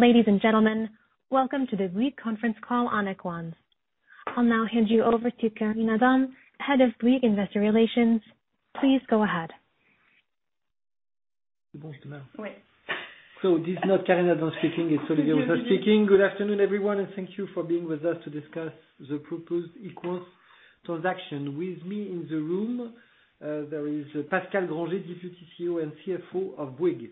Ladies and gentlemen, welcome to the Bouygues Conference Call on Equans. I'll now hand you over to Karine Adam, Head of Bouygues Investor Relations. Please go ahead. This is not Karine Adam speaking. It's Olivier speaking. Good afternoon, everyone, and thank you for being with us to discuss the proposed Equans transaction. With me in the room, there is Pascal Grangé, Deputy CEO and CFO of Bouygues.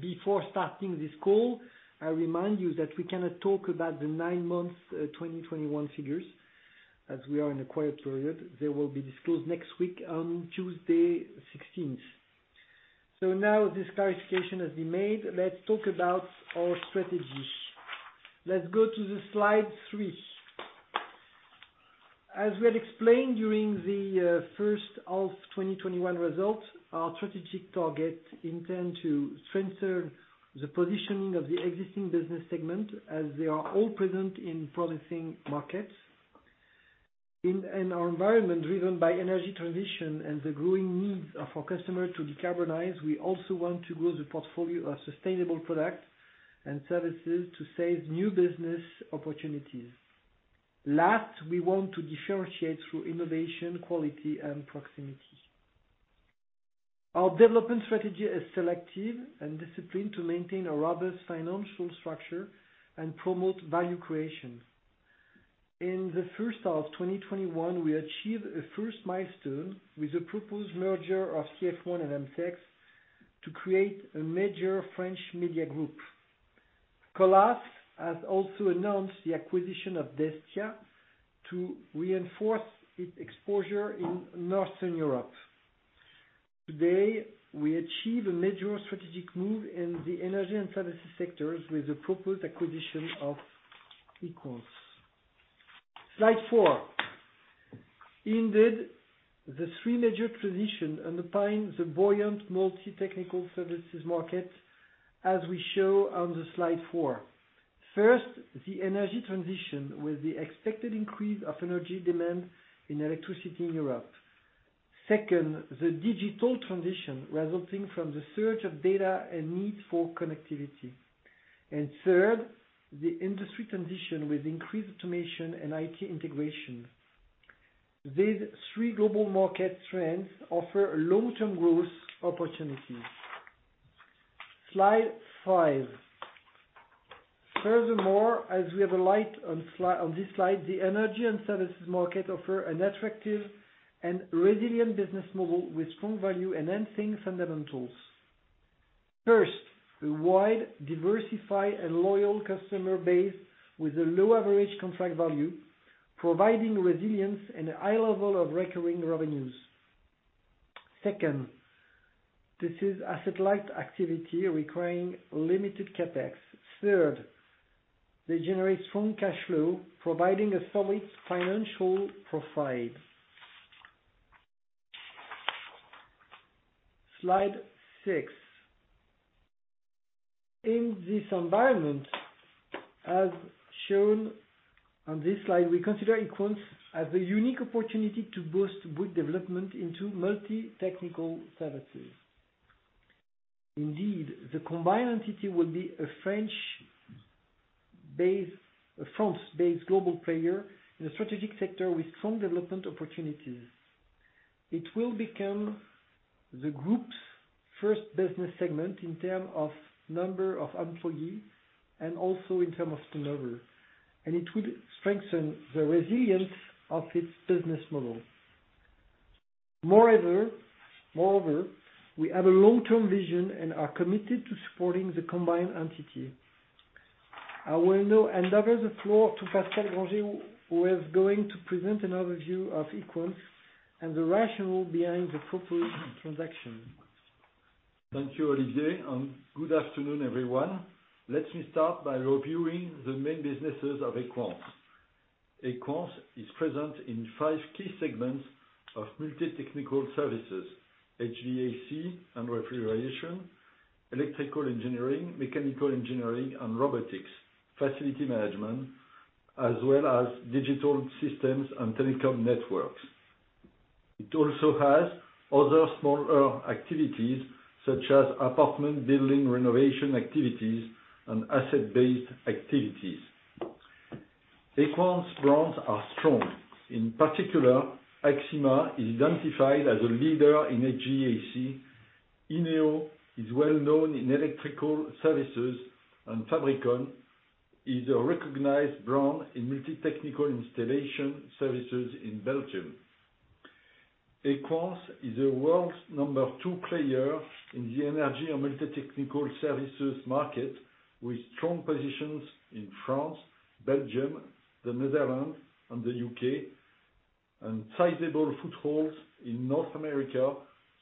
Before starting this call, I remind you that we cannot talk about the nine months, 2021 figures as we are in a quiet period. They will be disclosed next week on Tuesday 16th. Now this clarification has been made. Let's talk about our strategy. Let's go to the slide three. As we had explained during the first half 2021 results, our strategic target intend to strengthen the positioning of the existing business segment as they are all present in promising markets. In our environment, driven by energy transition and the growing needs of our customers to decarbonize, we also want to grow the portfolio of sustainable products and services to seize new business opportunities. Last, we want to differentiate through innovation, quality, and proximity. Our development strategy is selective and disciplined to maintain a robust financial structure and promote value creation. In the first half 2021, we achieved a first milestone with the proposed merger of TF1 and M6 to create a major French media group. Colas has also announced the acquisition of Destia to reinforce its exposure in Northern Europe. Today, we achieve a major strategic move in the energy and services sectors with the proposed acquisition of Equans. Slide four. Indeed, the three major transitions underpin the buoyant multi-technical services market, as we show on the slide four. First, the energy transition with the expected increase of energy demand in electricity in Europe. Second, the digital transition resulting from the surge of data and need for connectivity. Third, the industry transition with increased automation and IT integration. These three global market trends offer long-term growth opportunities. Slide five. Furthermore, as we shine a light on this slide, the energy and services markets offer an attractive and resilient business model with strong value-enhancing fundamentals. First, a wide, diversified, and loyal customer base with a low average contract value, providing resilience and a high level of recurring revenues. Second, this is asset-light activity requiring limited CapEx. Third, they generate strong cash flow, providing a solid financial profile. Slide six. In this environment, as shown on this slide, we consider Equans as a unique opportunity to boost our development into multi-technical services. Indeed, the combined entity will be a France-based global player in a strategic sector with strong development opportunities. It will become the group's first business segment in terms of number of employees and also in terms of turnover, and it will strengthen the resilience of its business model. Moreover, we have a long-term vision and are committed to supporting the combined entity. I will now hand over the floor to Pascal Grangé, who is going to present an overview of Equans and the rationale behind the proposed transaction. Thank you, Olivier, and good afternoon, everyone. Let me start by reviewing the main businesses of Equans. Equans is present in five key segments of multi-technical services. HVAC and refrigeration, electrical engineering, mechanical engineering and robotics, facility management, as well as digital systems and telecom networks. It also has other smaller activities such as apartment building renovation activities and asset-based activities. Equans brands are strong. In particular, Axima is identified as a leader in HVAC, Ineo is well known in electrical services, and Fabricom is a recognized brand in multi-technical installation services in Belgium. Equans is the world's number two player in the energy and multi-technical services market, with strong positions in France, Belgium, the Netherlands, and the U.K., and sizable footholds in North America,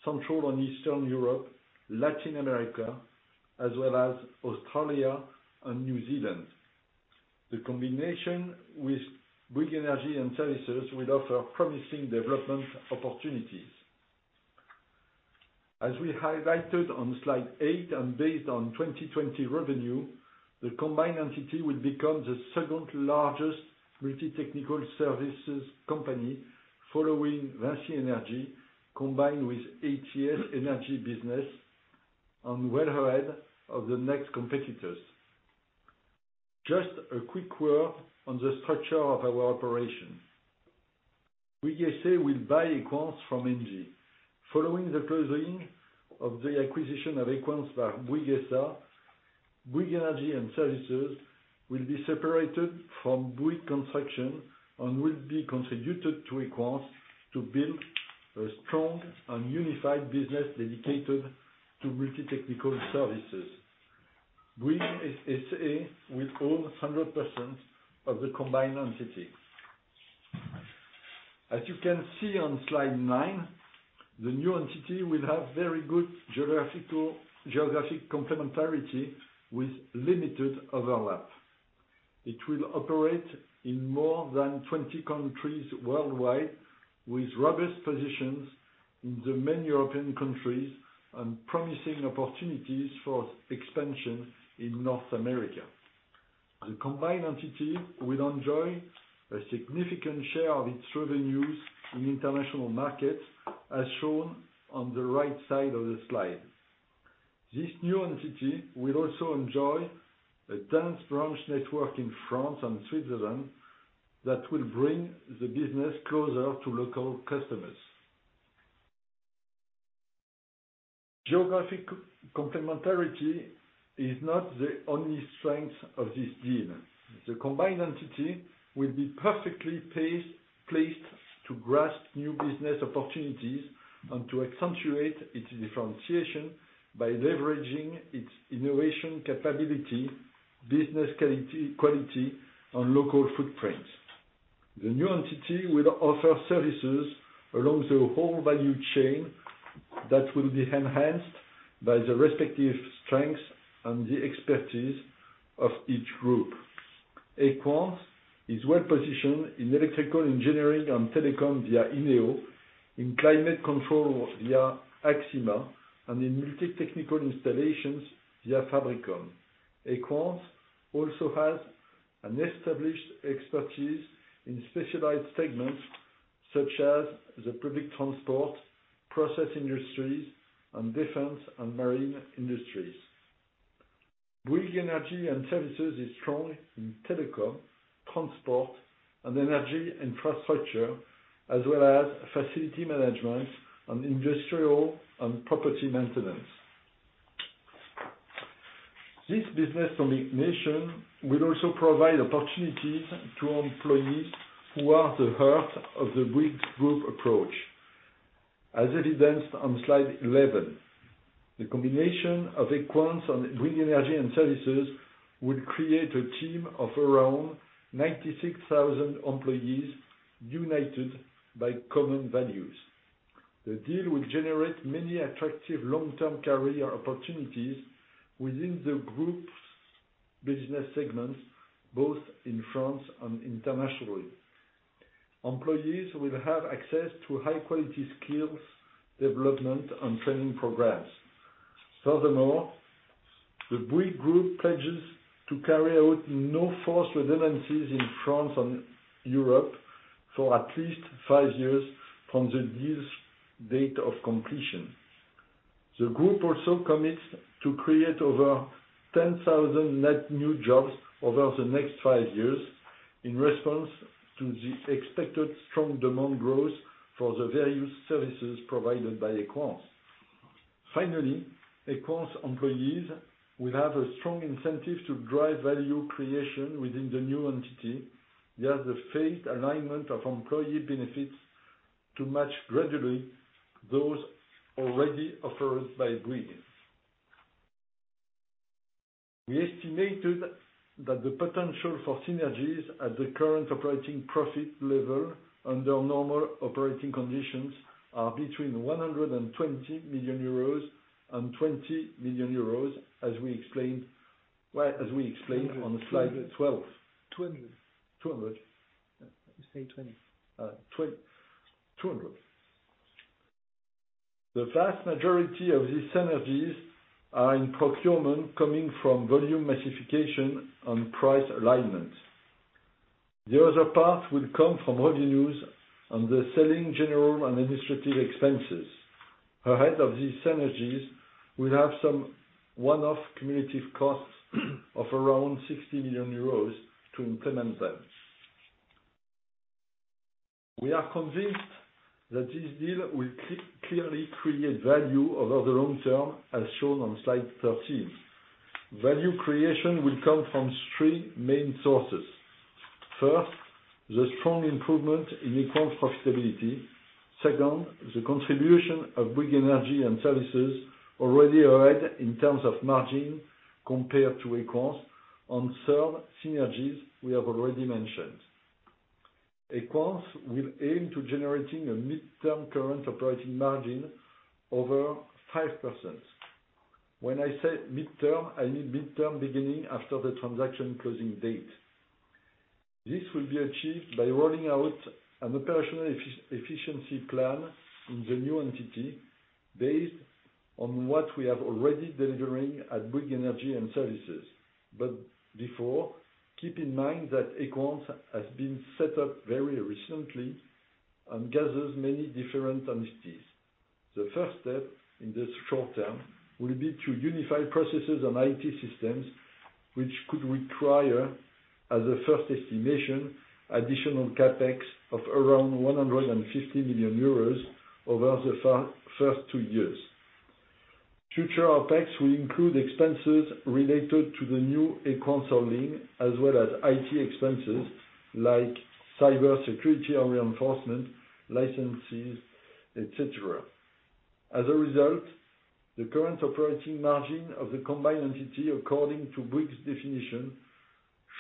Central and Eastern Europe, Latin America, as well as Australia and New Zealand. The combination with Bouygues Energies & Services will offer promising development opportunities. As we highlighted on slide eight and based on 2020 revenue, the combined entity will become the second-largest multi-technical services company following VINCI Energies, combined with Atos energy business and well ahead of the next competitors. Just a quick word on the structure of our operation. Bouygues SA will buy Equans from Engie. Following the closing of the acquisition of Equans by Bouygues SA, Bouygues Energies & Services will be separated from Bouygues Construction and will be contributed to Equans to build a strong and unified business dedicated to multi-technical services. Bouygues SA will own 100% of the combined entity. As you can see on slide 9, the new entity will have very good geographic complementarity with limited overlap. It will operate in more than 20 countries worldwide, with robust positions in the many European countries and promising opportunities for expansion in North America. The combined entity will enjoy a significant share of its revenues in international markets, as shown on the right side of the slide. This new entity will also enjoy a dense branch network in France and Switzerland that will bring the business closer to local customers. Geographic complementarity is not the only strength of this deal. The combined entity will be perfectly placed to grasp new business opportunities and to accentuate its differentiation by leveraging its innovation capability, business quality, and local footprints. The new entity will offer services along the whole value chain that will be enhanced by the respective strengths and the expertise of each group. Equans is well positioned in electrical engineering and telecom via Ineo, in climate control via Axima, and in multi-technical installations via Fabricom. Equans also has an established expertise in specialized segments such as the public transport, process industries, and defense and marine industries. Bouygues Energies & Services is strong in telecom, transport, and energy infrastructure, as well as facility management and industrial and property maintenance. This business combination will also provide opportunities to employees who are the heart of the Bouygues Group approach, as evidenced on slide 11. The combination of Equans and Bouygues Energies & Services will create a team of around 96,000 employees united by common values. The deal will generate many attractive long-term career opportunities within the group's business segments, both in France and internationally. Employees will have access to high-quality skills development and training programs. Furthermore, the Bouygues Group pledges to carry out no forced redundancies in France and Europe for at least five years from the deal's date of completion. The group also commits to create over 10,000 net new jobs over the next five years in response to the expected strong demand growth for the various services provided by Equans. Finally, Equans employees will have a strong incentive to drive value creation within the new entity via the phased alignment of employee benefits to match gradually those already offered by Bouygues. We estimated that the potential for synergies at the current operating profit level under normal operating conditions are between 120 million euros and 200 million euros, as we explained on slide 12. 200. 200. You said 20. 200. The vast majority of these synergies are in procurement coming from volume massification and price alignment. The other part will come from revenues and the selling general and administrative expenses. Ahead of these synergies, we have some one-off cumulative costs of around 60 million euros to implement them. We are convinced that this deal will clearly create value over the long term, as shown on slide 13. Value creation will come from three main sources. First, the strong improvement in Equans profitability. Second, the contribution of Bouygues Energies & Services already ahead in terms of margin compared to Equans. And third, synergies we have already mentioned. Equans will aim to generating a midterm current operating margin over 5%. When I say midterm, I mean midterm beginning after the transaction closing date. This will be achieved by rolling out an operational efficiency plan in the new entity based on what we are already delivering at Bouygues Energies & Services. Before, keep in mind that Equans has been set up very recently and gathers many different entities. The first step in this short term will be to unify processes and IT systems, which could require, as a first estimation, additional CapEx of around 150 million euros over the first two years. Future OpEx will include expenses related to the new Equans team, as well as IT expenses like cybersecurity or reinforcement licenses, et cetera. As a result, the current operating margin of the combined entity according to Bouygues' definition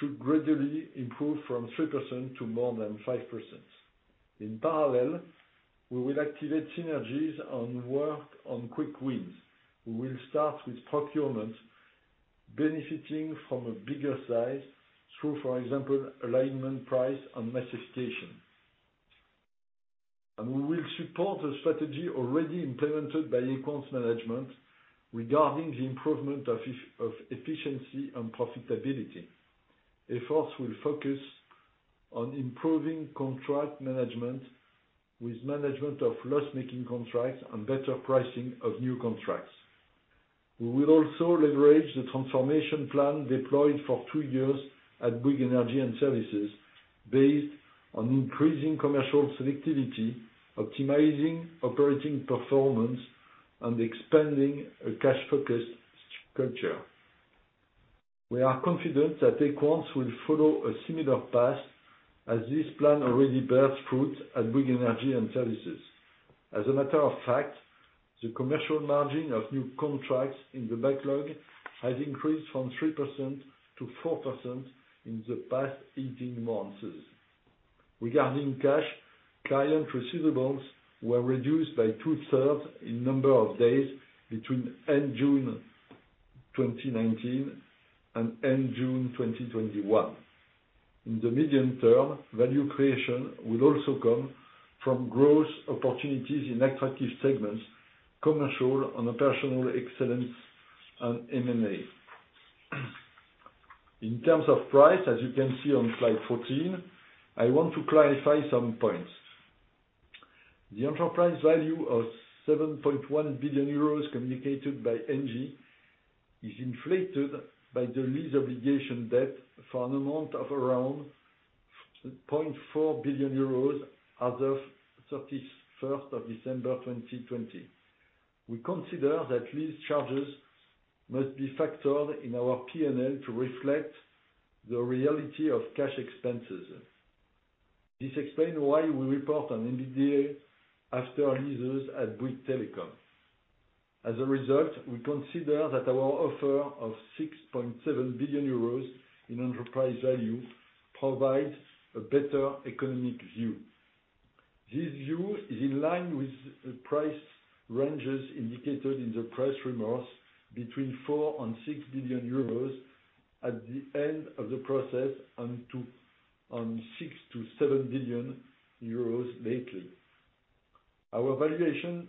should gradually improve from 3% to more than 5%. In parallel, we will activate synergies and work on quick wins. We will start with procurement, benefiting from a bigger size through, for example, alignment price and massification. We will support a strategy already implemented by Equans management regarding the improvement of efficiency and profitability. Efforts will focus on improving contract management with management of loss-making contracts and better pricing of new contracts. We will also leverage the transformation plan deployed for two years at Bouygues Energies & Services based on increasing commercial selectivity, optimizing operating performance, and expanding a cash-focused structure. We are confident that Equans will follow a similar path as this plan already bears fruit at Bouygues Energies & Services. As a matter of fact, the commercial margin of new contracts in the backlog has increased from 3% to 4% in the past 18 months. Regarding cash, client receivables were reduced by two-thirds in number of days between end June 2019 and end June 2021. In the medium term, value creation will also come from growth opportunities in attractive segments, commercial and operational excellence, and M&A. In terms of price, as you can see on slide 14, I want to clarify some points. The enterprise value of 7.1 billion euros communicated by Engie is inflated by the lease obligation debt for an amount of around 0.4 billion euros as of 31st of December, 2020. We consider that these charges must be factored in our P&L to reflect the reality of cash expenses. This explains why we report an EBITDA after leases at Bouygues Telecom. As a result, we consider that our offer of 6.7 billion euros in enterprise value provides a better economic view. This view is in line with the price ranges indicated in the press rumors between 4 billion and 6 billion euros at the end of the process on 6 billion to 7 billion euros lately. Our valuation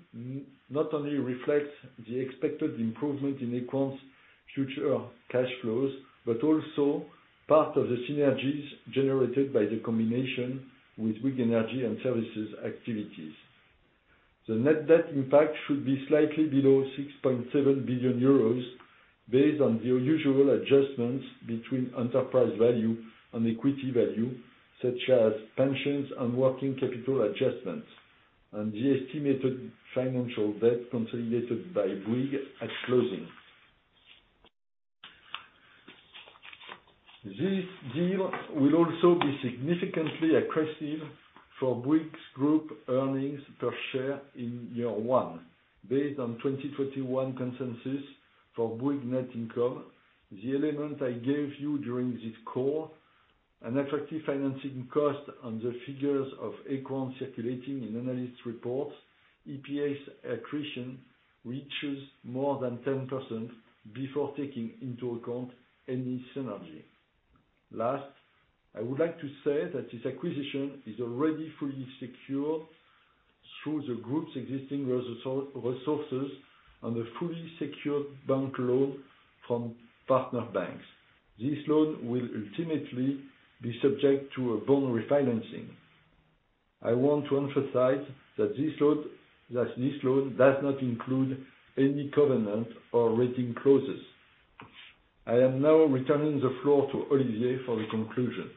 not only reflects the expected improvement in Equans' future cash flows, but also part of the synergies generated by the combination with Bouygues Energies & Services activities. The net debt impact should be slightly below 6.7 billion euros based on the usual adjustments between enterprise value and equity value, such as pensions and working capital adjustments, and the estimated financial debt consolidated by Bouygues at closing. This deal will also be significantly aggressive for Bouygues Group earnings per share in year one. Based on 2021 consensus for Bouygues net income, the element I gave you during this call, an effective financing cost on the figures of Equans circulating in analyst reports, EPS accretion reaches more than 10% before taking into account any synergy. Last, I would like to say that this acquisition is already fully secured through the group's existing resources and a fully secured bank loan from partner banks. This loan will ultimately be subject to a bond refinancing. I want to emphasize that this loan does not include any covenant or rating clauses. I am now returning the floor to Olivier for the conclusion.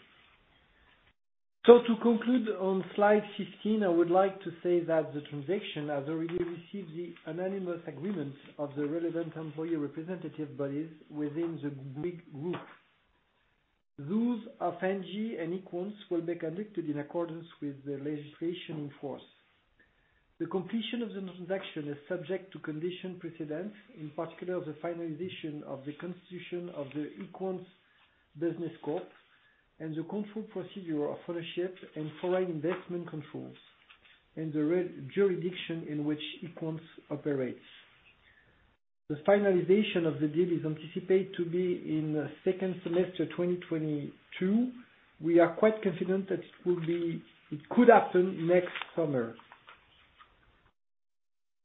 To conclude on slide 15, I would like to say that the transaction has already received the unanimous agreements of the relevant employee representative bodies within the Bouygues Group. Those of Engie and Equans will be conducted in accordance with the legislation in force. The completion of the transaction is subject to conditions precedent, in particular the finalization of the constitution of the Equans business scope and the control procedures of ownership and foreign investment controls in the relevant jurisdictions in which Equans operates. The finalization of the deal is anticipated to be in second semester 2022. We are quite confident that it could happen next summer.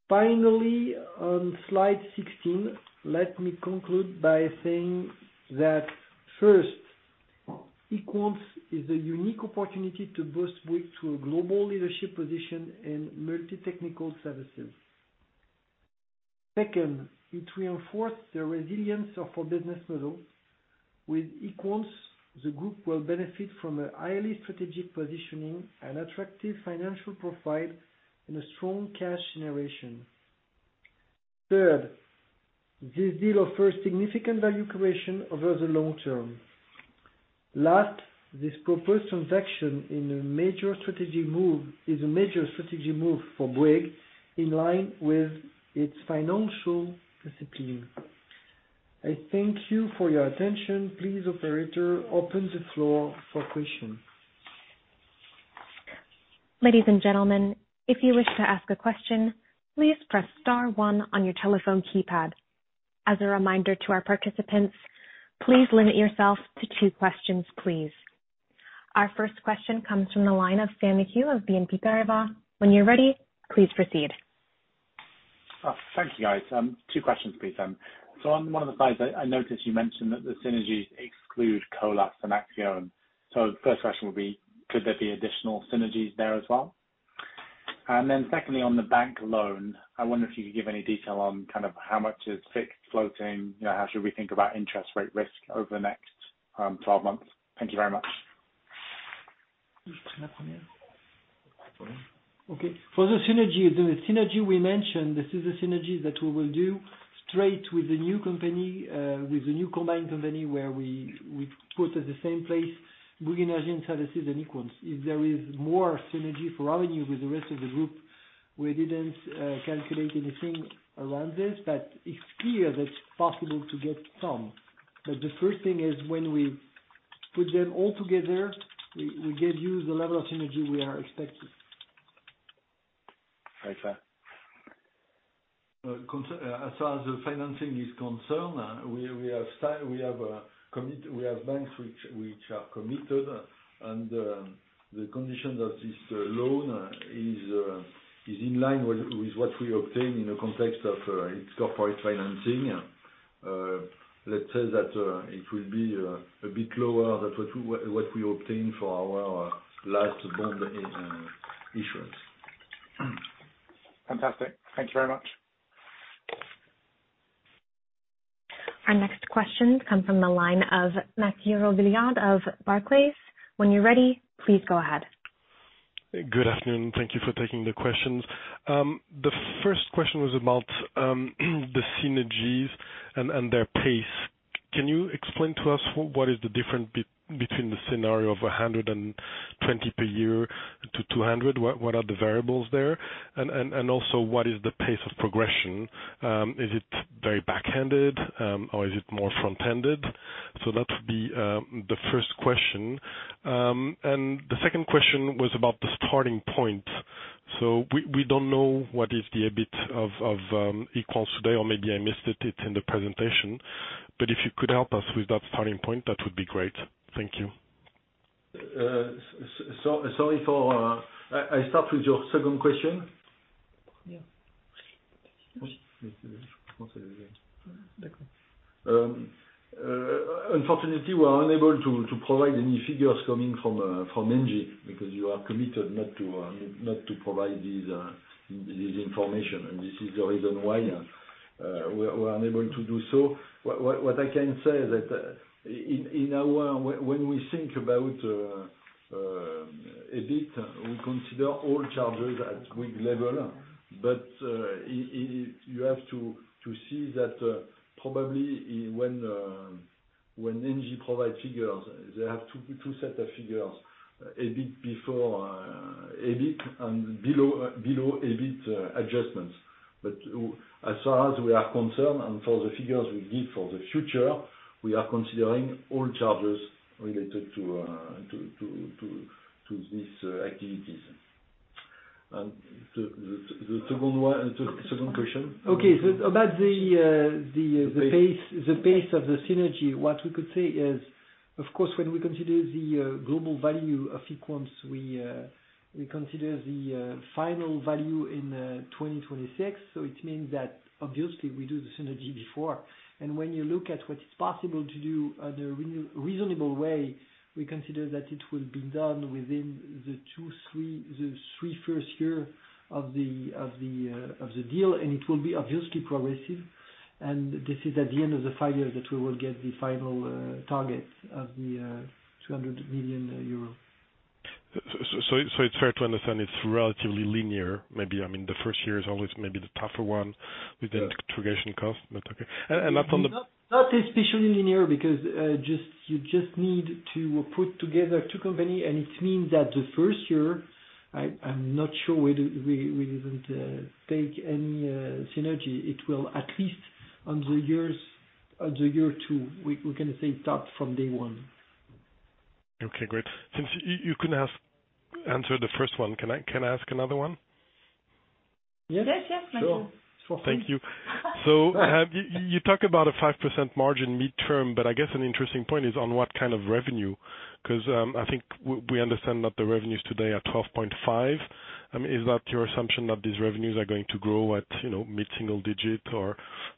Finally, on slide 16, let me conclude by saying that first, Equans is a unique opportunity to boost Bouygues to a global leadership position in multi-technical services. Second, it reinforces the resilience of our business model. With Equans, the group will benefit from a highly strategic positioning and attractive financial profile and a strong cash generation. Third, this deal offers significant value creation over the long term. Last, this proposed transaction is a major strategic move for Bouygues, in line with its financial discipline. I thank you for your attention. Please, operator, open the floor for questions. Ladies and gentlemen, if you wish to ask a question, please press star one on your telephone keypad. As a reminder to our participants, please limit yourself to two questions, please. Our first question comes from the line of Sami Kassab of Exane BNP Paribas. When you're ready, please proceed. Oh, thank you guys. Two questions, please. On one of the slides, I noticed you mentioned that the synergies exclude Colas synergies. The first question would be, could there be additional synergies there as well? Then secondly, on the bank loan, I wonder if you could give any detail on kind of how much is fixed, floating, you know, how should we think about interest rate risk over the next, 12 months? Thank you very much. Okay. For the synergy we mentioned, this is the synergy that we will do straight with the new company, with the new combined company, where we put at the same place, Bouygues Energies & Services and Equans. If there is more synergy for revenue with the rest of the group, we didn't calculate anything around this, but it's clear that it's possible to get some. The first thing is when we put them all together, we give you the level of synergy we are expecting. Thanks, sir. As far as the financing is concerned, we have banks which are committed, and the conditions of this loan is in line with what we obtain in the context of its corporate financing. Let's say that it will be a bit lower than what we obtain for our last bond issuance. Fantastic. Thank you very much. Our next question come from the line of Mathieu Robilliard of Barclays PLC. When you're ready, please go ahead. Good afternoon. Thank you for taking the questions. The first question was about the synergies and their pace. Can you explain to us what is the difference between the scenario of 120 per year to 200? What are the variables there? And also, what is the pace of progression? Is it very back-ended or is it more front-ended? That would be the first question. The second question was about the starting point. We don't know what is the EBIT of Equans today, or maybe I missed it in the presentation. If you could help us with that starting point, that would be great. Thank you. Sorry, I start with your second question. Yeah. Unfortunately, we are unable to provide any figures coming from Engie, because you are committed not to provide these information. This is the reason why we're unable to do so. What I can say is that when we think about EBIT, we consider all charges at group level. You have to see that probably when Engie provide figures, they have two sets of figures, EBIT before EBIT and below EBIT adjustments. As far as we are concerned, and for the figures we give for the future, we are considering all charges related to these activities. The second question? Okay. About the pace of the synergy, what we could say is, of course, when we consider the global value of Equans, we consider the final value in 2026. It means that obviously we do the synergy before. When you look at what is possible to do at a reasonable way, we consider that it will be done within the first three years of the deal, and it will be obviously progressive. This is at the end of the five years that we will get the final target of 200 million euro. It's fair to understand it's relatively linear. Maybe, I mean, the first year is always maybe the tougher one with the integration cost, but okay. Back on the- Not especially linear because you just need to put together two company, and it means that the first year, I'm not sure we didn't take any synergy. It will at least in the years, in year two, we can say start from day one. Okay, great. Since you couldn't answer the first one, can I ask another one? Yes. Yes. Yes. Sure. For free. Thank you. You talk about a 5% margin midterm, but I guess an interesting point is on what kind of revenue, 'cause I think we understand that the revenues today are 12.5. Is that your assumption that these revenues are going to grow at, you know, mid-single-digit percent or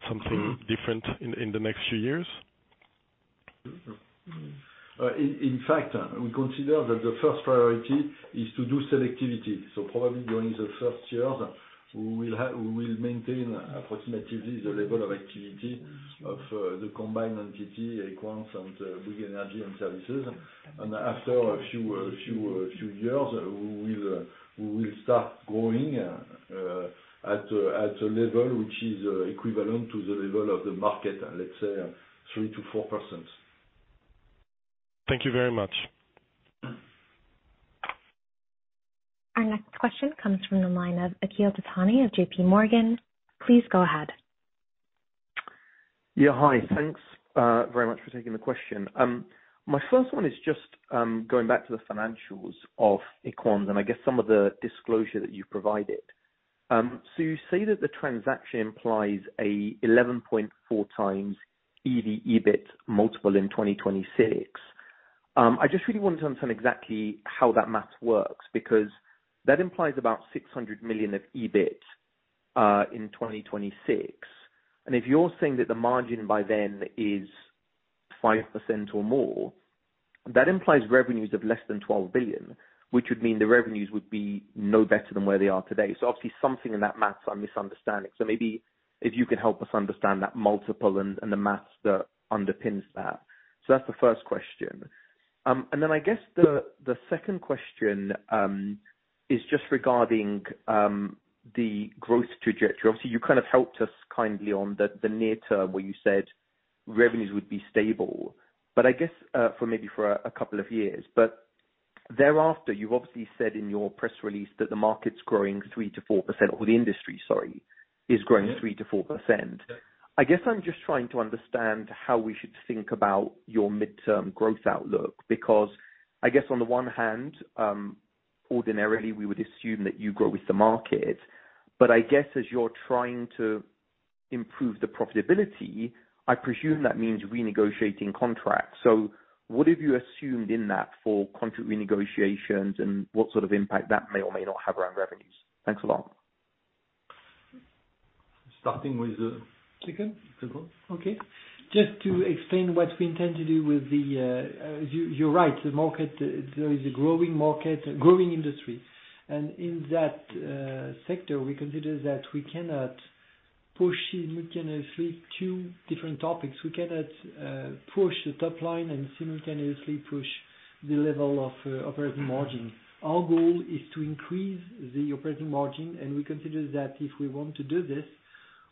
something different in the next few years? In fact, we consider that the first priority is to do selectivity. Probably during the first years, we will maintain approximately the level of activity of the combined entity, Equans and Bouygues Energies & Services. After a few years, we will start growing at a level which is equivalent to the level of the market, let's say 3% to 4%. Thank you very much. Our next question comes from the line of Akhil Dattani of JPMorgan Securities Plc. Please go ahead. Yeah. Hi. Thanks, very much for taking the question. My first one is just, going back to the financials of Equans, and I guess some of the disclosure that you've provided. You say that the transaction implies a 11.4x EBIT multiple in 2026. I just really wanted to understand exactly how that math works, because that implies about 600 million of EBIT, in 2026. If you're saying that the margin by then is 5% or more, that implies revenues of less than 12 billion, which would mean the revenues would be no better than where they are today. Obviously something in that math I'm misunderstanding. Maybe if you could help us understand that multiple and the math that underpins that. That's the first question. I guess the second question is just regarding the growth trajectory. Obviously, you kind of helped us kindly on the near term, where you said revenues would be stable, but I guess for maybe a couple of years. Thereafter, you've obviously said in your press release that the market's growing 3% to 4%, or the industry, sorry, is growing 3% to 4%. I guess I'm just trying to understand how we should think about your midterm growth outlook, because I guess on the one hand, ordinarily we would assume that you grow with the market. I guess as you're trying to improve the profitability, I presume that means renegotiating contracts. What have you assumed in that for contract renegotiations and what sort of impact that may or may not have around revenues? Thanks a lot. Starting with, Nicolas. Nicolas. Okay. Just to explain what we intend to do with the, you're right, the market, there is a growing market, growing industry. In that sector, we consider that we cannot push simultaneously two different topics. We cannot push the top line and simultaneously push the level of operating margin. Our goal is to increase the operating margin, and we consider that if we want to do this,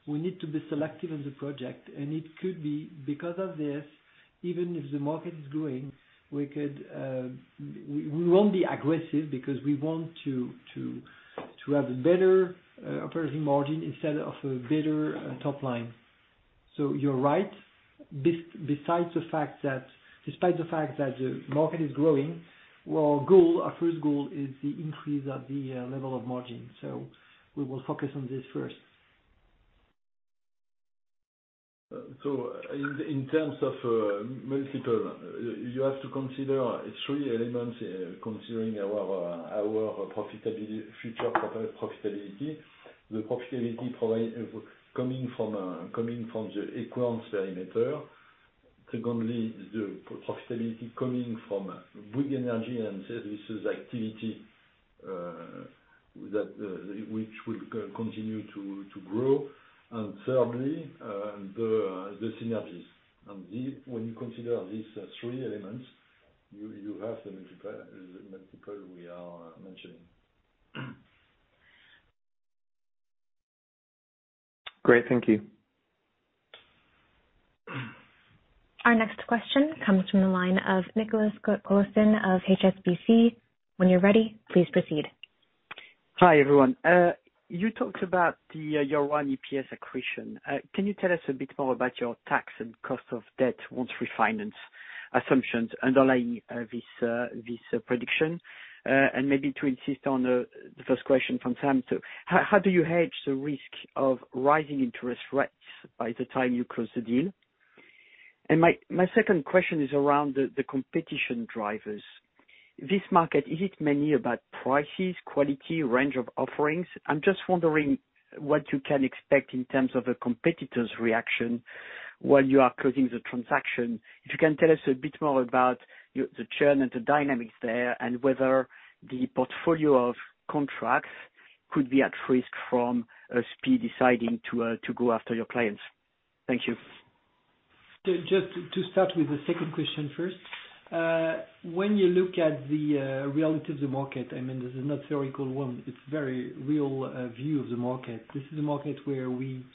we need to be selective on the project. It could be because of this, even if the market is growing, we could, we won't be aggressive because we want to have a better operating margin instead of a better top line. You're right, despite the fact that the market is growing, our goal, our first goal is the increase of the level of margin. We will focus on this first. In terms of multiple, you have to consider three elements, considering our future profitability. The profitability coming from the Equans perimeter. Secondly, the profitability coming from Bouygues Energies & Services activity, which will continue to grow. Thirdly, the synergies. When you consider these three elements, you have the multiple we are mentioning. Great. Thank you. Our next question comes from the line of Nicolas Coté-Colisson of HSBC. When you're ready, please proceed. Hi, everyone. You talked about the year one EPS accretion. Can you tell us a bit more about your tax and cost of debt refinance assumptions underlying this prediction? And maybe to insist on the first question from Sami. How do you hedge the risk of rising interest rates by the time you close the deal? And my second question is around the competition drivers. This market, is it mainly about prices, quality, range of offerings? I'm just wondering what you can expect in terms of the competitors' reaction while you are closing the transaction. If you can tell us a bit more about the churn and the dynamics there, and whether the portfolio of contracts could be at risk from SPIE deciding to go after your clients. Thank you. Just to start with the second question first. When you look at the reality of the market, I mean, this is not theoretical one, it's very real view of the market. This is a market where we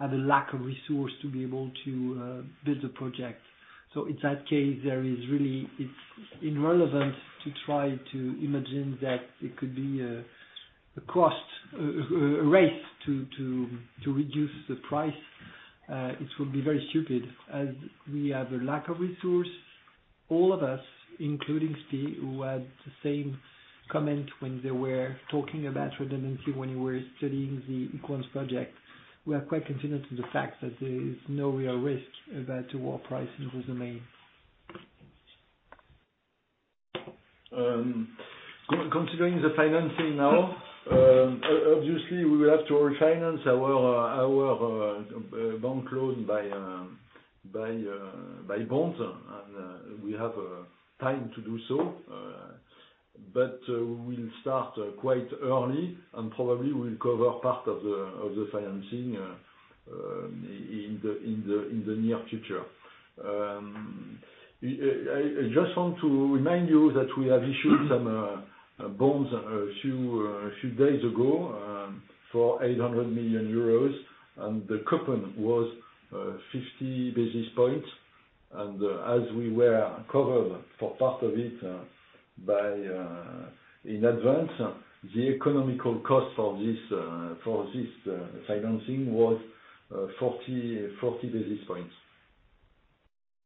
have a lack of resources to be able to build a project. In that case, there is really it's irrelevant to try to imagine that it could be a race to reduce the price. It would be very stupid. As we have a lack of resources, all of us, including SPIE, who had the same comment when they were talking about redundancy when we were studying the Equans project, we are quite confident in the fact that there is no real risk about the price war in this domain. Considering the financing now, obviously we will have to refinance our bank loan by bonds. We have time to do so. We'll start quite early, and probably we'll cover part of the financing in the near future. I just want to remind you that we have issued some bonds a few days ago for 800 million euros, and the coupon was 50 basis points. As we were covered for part of it bought in advance, the economic cost for this financing was 40 basis points.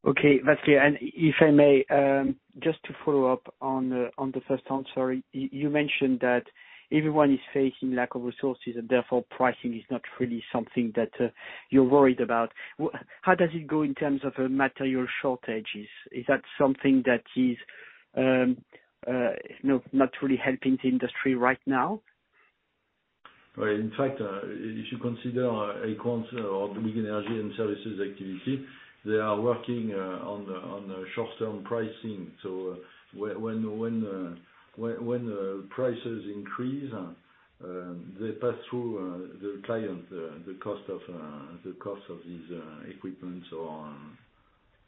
Okay, that's clear. If I may, just to follow up on the first answer. You mentioned that everyone is facing lack of resources and therefore pricing is not really something that you're worried about. How does it go in terms of material shortages? Is that something that is, you know, not really helping the industry right now? Well, in fact, if you consider Equans or the big energy and services activity, they are working on the short-term pricing. When prices increase, they pass through to the client the cost of these equipment or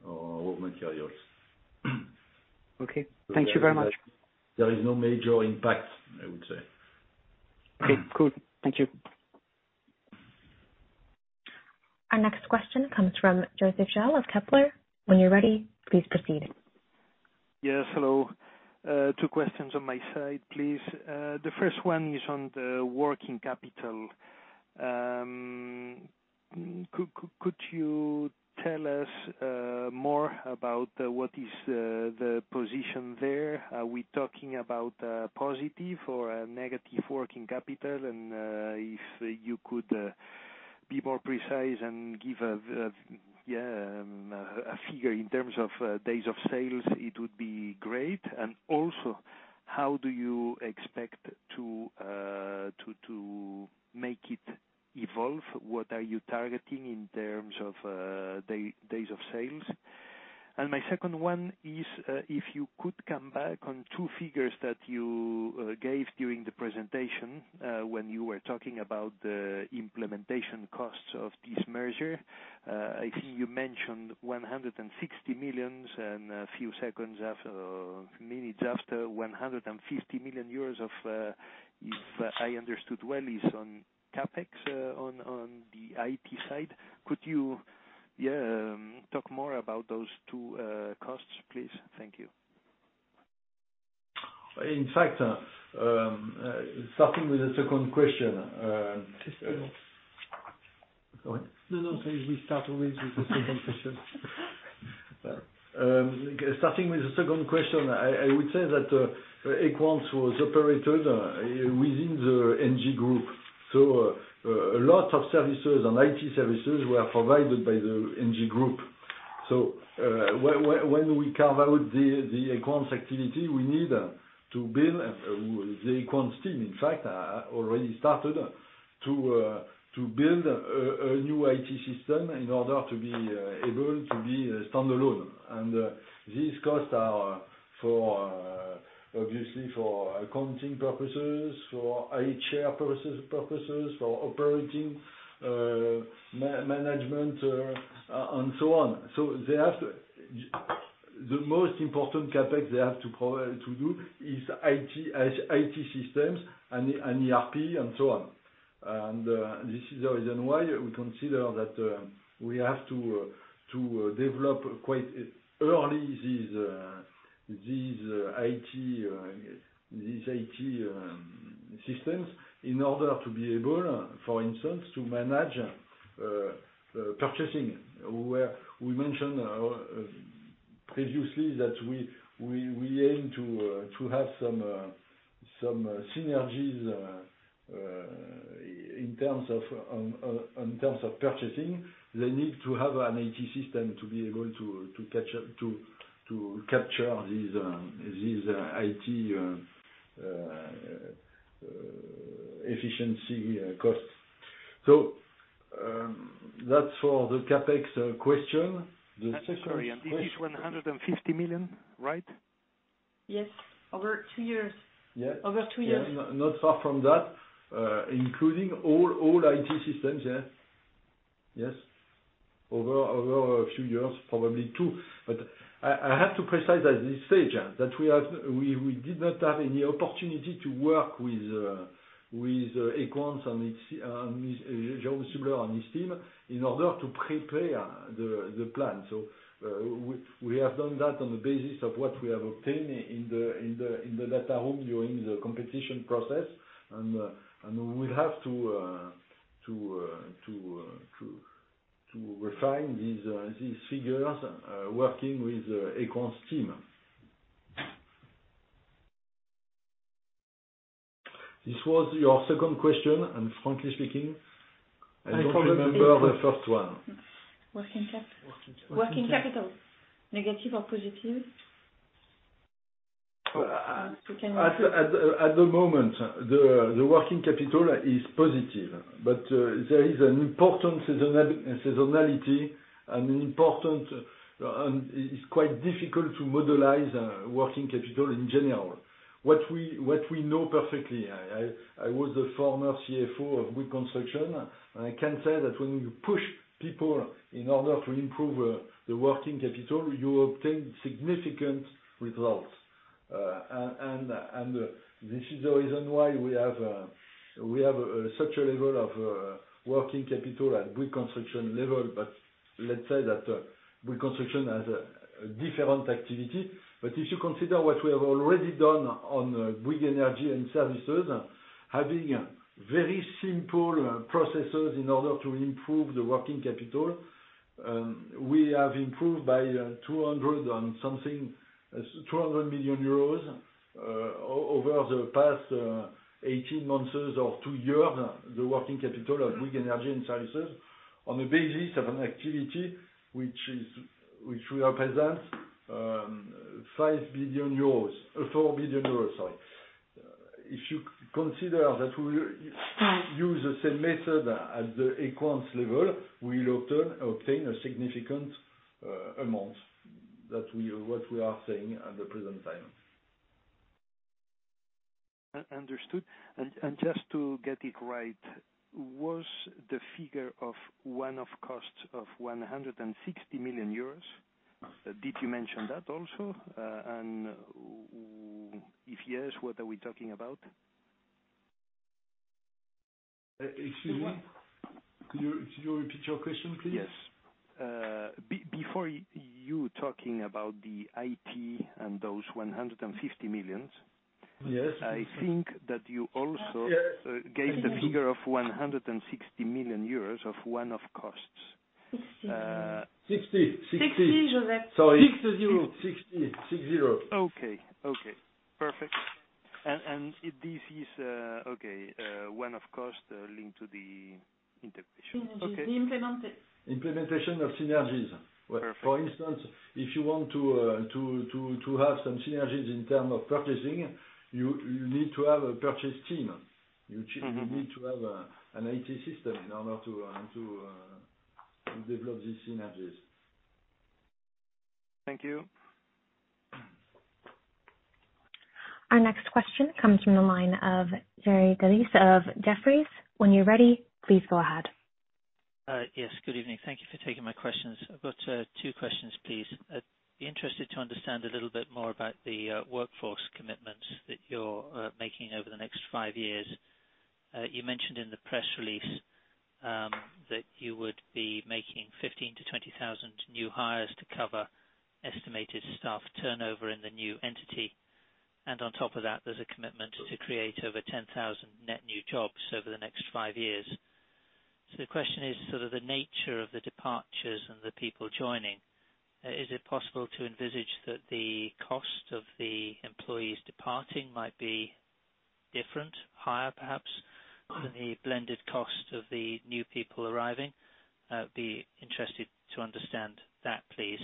raw materials. Okay. Thank you very much. There is no major impact, I would say. Okay, cool. Thank you. Our next question comes from Joseph Shell of Kepler Cheuvreux. When you're ready, please proceed. Yes, hello. Two questions on my side, please. The first one is on the working capital. Could you tell us more about what is the position there? Are we talking about positive or a negative working capital? And if you could be more precise and give a figure in terms of days of sales, it would be great. And also, how do you expect to make it evolve? What are you targeting in terms of days of sales? And my second one is, if you could come back on two figures that you gave during the presentation, when you were talking about the implementation costs of this merger. I see you mentioned 160 million, and a few minutes after, 150 million euros of, if I understood well, is on CapEx, on the IT side. Could you talk more about those two costs, please? Thank you. In fact, starting with the second question. First one. Go ahead. No, no. Please, we start always with the second question. Starting with the second question, I would say that Equans was operated within the Engie group. A lot of services and IT services were provided by the Engie group. When we carve out the Equans activity, we need to build the Equans team. In fact, we already started to build a new IT system in order to be able to be standalone. These costs are obviously for accounting purposes, for HR purposes, for operating management, and so on. The most important CapEx they have to do is IT systems and ERP and so on. This is the reason why we consider that we have to develop quite early these IT systems in order to be able, for instance, to manage purchasing. We mentioned previously that we aim to have some synergies in terms of purchasing. They need to have an IT system to be able to catch up to capture these efficiency costs. That's for the CapEx question. The second- Sorry, it is 150 million, right? Yes. Over two years. Yes. Over two years. Not far from that. Including all IT systems, yes. Yes. Over a few years, probably two. But I have to be precise at this stage that we did not have any opportunity to work with Equans and its Jérôme Stubler and his team in order to prepare the plan. We have done that on the basis of what we have obtained in the data room during the competition process. We have to refine these figures working with Equans team. This was your second question, and frankly speaking, I don't remember the first one. Working cap- Working capital. Working capital. Negative or positive? At the moment, the working capital is positive, but there is an important seasonality. It's quite difficult to model working capital in general. What we know perfectly, I was the former CFO of Bouygues Construction, and I can say that when you push people in order to improve the working capital, you obtain significant results. This is the reason why we have such a level of working capital at Bouygues Construction level. Let's say that Bouygues Construction has a different activity. If you consider what we have already done on Bouygues Energies & Services, having very simple processes in order to improve the working capital, we have improved by 200 million euros over the past 18 months or two years, the working capital of Bouygues Energies & Services on the basis of an activity which represents 5 billion euros, 4 billion euros, sorry. If you consider that we use the same method at the Equans level, we will obtain a significant amount. What we are saying at the present time. Understood. Just to get it right, was the figure of one-off costs of 160 million euros, did you mention that also? If yes, what are we talking about? Excuse me. Could you repeat your question, please? Yes. Before you talking about the IT and those 150 million, Yes. I think that you also gave the figure of 160 million euros of one-off costs. Sixty. 60. 60, Joseph. Sorry. 60. 60. 60. Okay. Perfect. This is okay one-off cost linked to the integration. Okay. The implemented. Implementation of synergies. Perfect. For instance, if you want to have some synergies in terms of purchasing, you need to have a purchase team. You need to have an IT system in order to develop these synergies. Thank you. Our next question comes from the line of Jerry Dellis of Jefferies. When you're ready, please go ahead. Yes. Good evening. Thank you for taking my questions. I've got two questions, please. I'd be interested to understand a little bit more about the workforce commitments that you're making over the next five years. You mentioned in the press release that you would be making 15,000 to 20,000 new hires to cover estimated staff turnover in the new entity. On top of that, there's a commitment to create over 10,000 net new jobs over the next five years. The question is sort of the nature of the departures and the people joining. Is it possible to envisage that the cost of the employees departing might be different, higher perhaps, than the blended cost of the new people arriving? I'd be interested to understand that, please.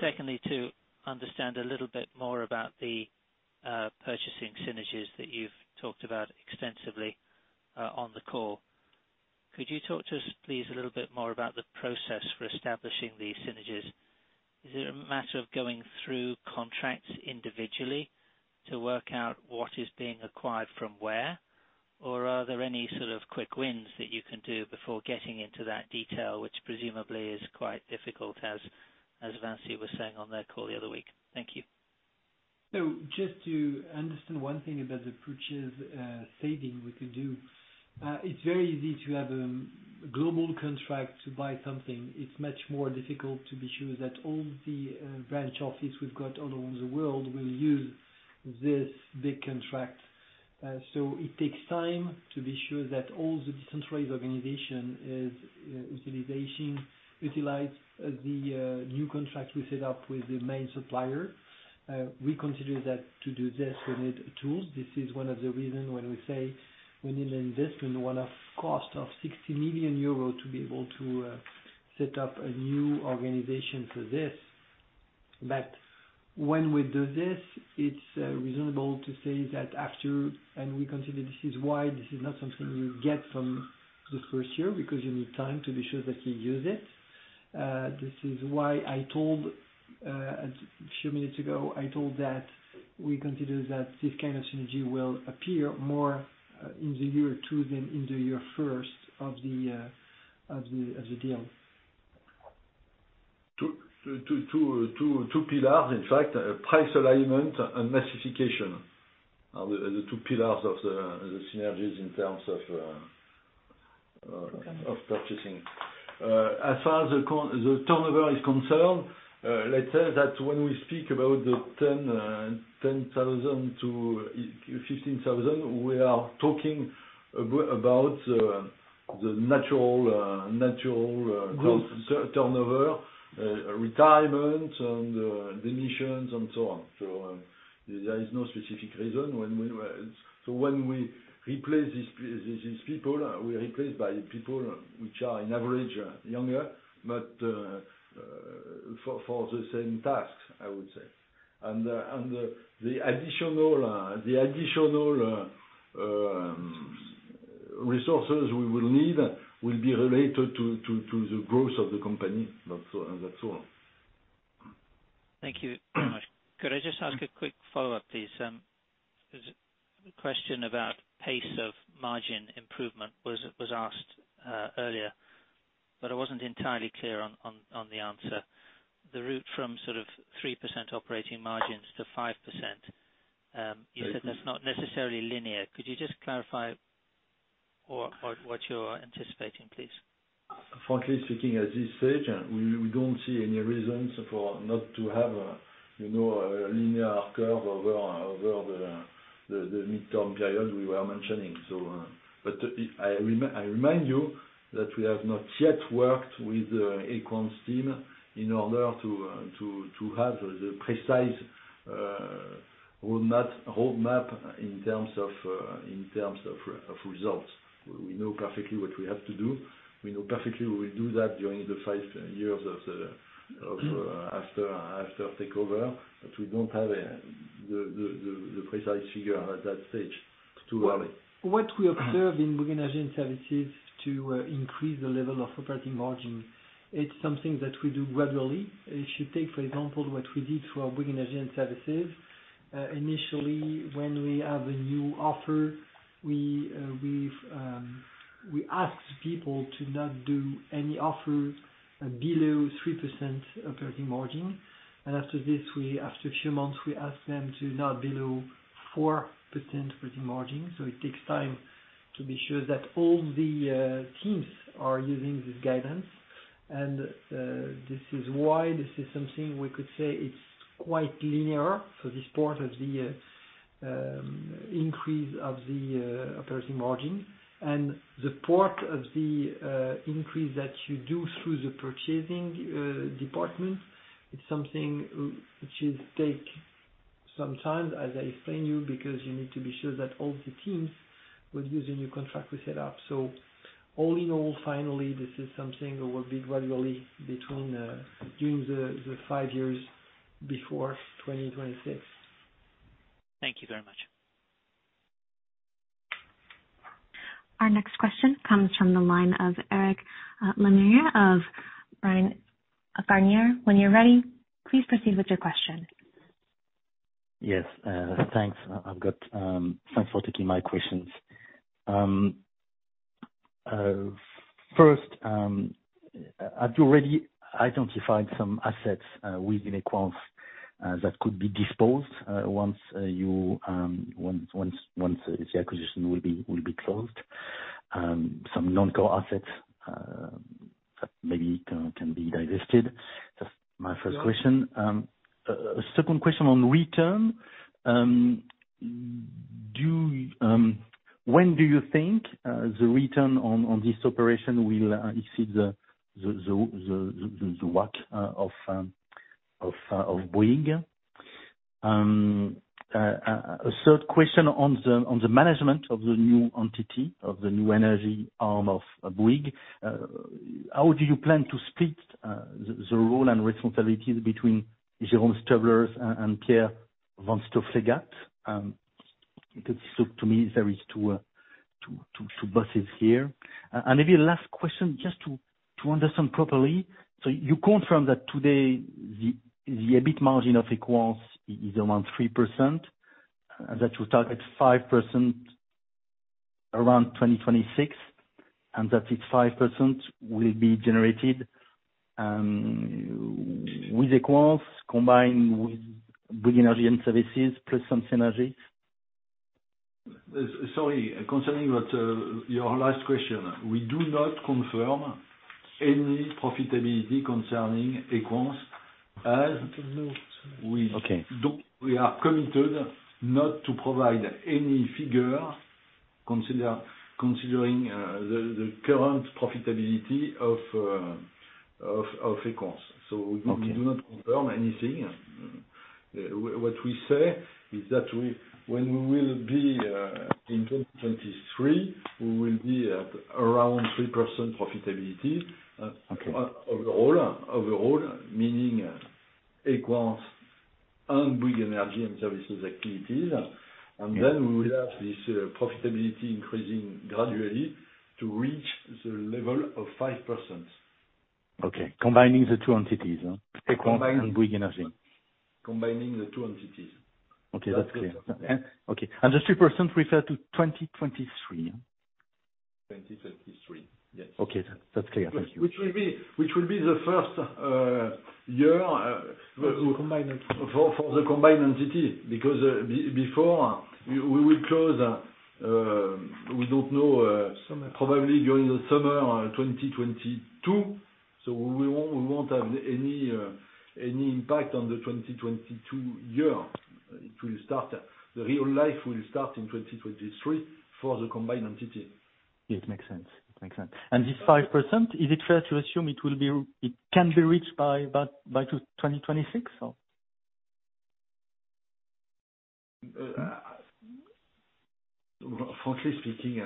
Secondly, to understand a little bit more about the purchasing synergies that you've talked about extensively on the call. Could you talk to us, please, a little bit more about the process for establishing these synergies? Is it a matter of going through contracts individually to work out what is being acquired from where? Or are there any sort of quick wins that you can do before getting into that detail, which presumably is quite difficult, as VINCI was saying on their call the other week? Thank you. Just to understand one thing about the purchase saving we could do, it's very easy to have global contract to buy something. It's much more difficult to be sure that all the branch offices we've got all over the world will use this big contract. It takes time to be sure that all the decentralized organization is utilize the new contract we set up with the main supplier. We consider that to do this, we need tools. This is one of the reason when we say we need an investment, one-off cost of 60 million euros to be able to set up a new organization for this. When we do this, it's reasonable to say that after. We consider this is why this is not something you get from the first year, because you need time to be sure that you use it. This is why I told a few minutes ago that we consider that this kind of synergy will appear more in the year two than in the year first of the deal. Two pillars, in fact. Price alignment and massification are the two pillars of the synergies in terms of purchasing. As far as the turnover is concerned, let's say that when we speak about the 10,000 to 15,000, we are talking about the natural turnover, retirement and demotions and so on. There is no specific reason when we replace these people, we replace by people which are on average younger but for the same tasks, I would say. The additional resources we will need will be related to the growth of the company, that's all. Thank you very much. Could I just ask a quick follow-up, please? There's a question about pace of margin improvement was asked earlier, but I wasn't entirely clear on the answer. The route from sort of 3% operating margins to 5%, you said that's not necessarily linear. Could you just clarify or what you're anticipating, please? Frankly speaking, at this stage, we don't see any reasons for not to have, you know, a linear curve over the midterm period we were mentioning. But I remind you that we have not yet worked with Equans team in order to have the precise roadmap in terms of results. We know perfectly what we have to do. We know perfectly we will do that during the five years after takeover, but we don't have the precise figure at that stage. It's too early. What we observe in Bouygues Energies & Services to increase the level of operating margin, it's something that we do gradually. If you take, for example, what we did for our Bouygues Energies & Services, initially, when we have a new offer, we ask people to not do any offer below 3% operating margin. After this, after a few months, we ask them to not below 4% operating margin. It takes time to be sure that all the teams are using this guidance. This is why this is something we could say it's quite linear for this part of the increase of the operating margin. The part of the increase that you do through the purchasing department, it's something which will take some time, as I explained you, because you need to be sure that all the teams will use the new contract we set up. All in all, finally, this is something that will be gradually between during the five years before 2026. Thank you very much. Our next question comes from the line of Eric Lemarié of Bernstein. When you're ready, please proceed with your question. Yes. Thanks. I've got. Thanks for taking my questions. First, have you already identified some assets within Equans that could be disposed once the acquisition will be closed? Some non-core assets maybe can be divested. That's my first question. Second question on return. When do you think the return on this operation will exceed the WACC of Bouygues? Third question on the management of the new entity, of the new energy arm of Bouygues. How do you plan to split the role and responsibilities between Jérôme Stubler and Pierre Vanstoflegatte? Because to me, there is two bosses here. Maybe last question, just to understand properly. You confirm that today the EBIT margin of Equans is around 3%, that you target 5% around 2026, and that this 5% will be generated with Equans combined with Bouygues Energies & Services plus some synergies? Sorry, concerning what, your last question. We do not confirm any profitability concerning Equans as- Okay. We are committed not to provide any figure considering the current profitability of Equans. Okay. We do not confirm anything. What we say is that we, when we will be in 2023, we will be at around 3% profitability- Okay. Overall, meaning Equans and Bouygues Energies & Services activities. Yeah. We will have this profitability increasing gradually to reach the level of 5%. Okay. Combining the two entities, huh? Combining- Equans and Bouygues Energy. Combining the two entities. Okay, that's clear. That's what I said, yeah. Okay. The 3% refer to 2023? 2023, yes. Okay. That's clear. Thank you. Which will be the first year? For the combined entity. For the combined entity, because before we will close, we don't know. Summer. Probably during the summer, 2022. We won't have any impact on the 2022 year. The real life will start in 2023 for the combined entity. Yeah, it makes sense. This 5%, is it fair to assume it can be reached by about 2026, or? Frankly speaking,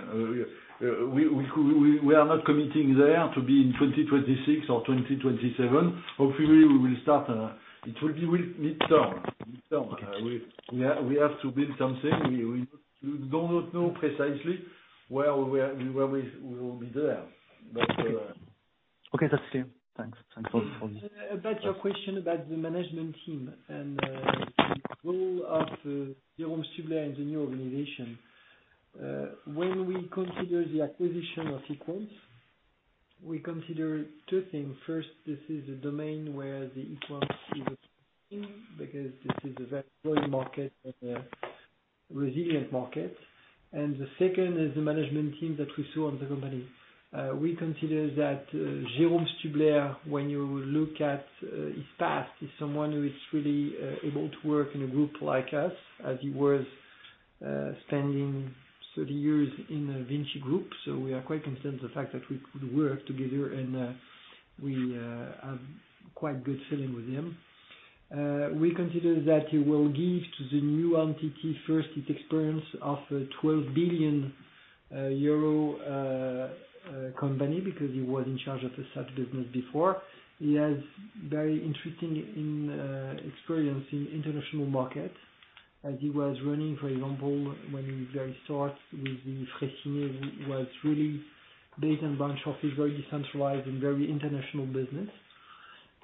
we are not committing there to be in 2026 or 2027. Hopefully, we will start, it will be with midterm. Okay. We have to build something. We do not know precisely where we are, where we will be there. Okay, that's clear. Thanks for this. About your question about the management team and the role of Jérôme Stubler in the new organization. When we consider the acquisition of Equans, we consider two things. First, this is a domain where Equans is a win because this is a very growing market and a resilient market. The second is the management team that we saw in the company. We consider that Jérôme Stubler, when you look at his past, is someone who is really able to work in a group like us, as he was spending 30 years in the VINCI Group. We are quite confident the fact that we could work together and we have quite good feeling with him. We consider that he will give to the new entity first his experience of a 12 billion euro company because he was in charge of such a business before. He has very interesting experience in international market as he was running, for example, Freyssinet, which was really based on a bunch of very decentralized and very international business.